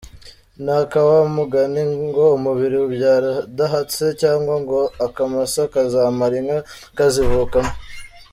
Ni aka wa mugani ngo umubiri ubyara udahatse cyangwa ngo akamasa kazamara inka kazivukamo.